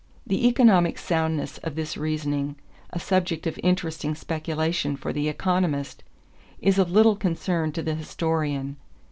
The economic soundness of this reasoning, a subject of interesting speculation for the economist, is of little concern to the historian.